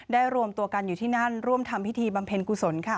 รวมตัวกันอยู่ที่นั่นร่วมทำพิธีบำเพ็ญกุศลค่ะ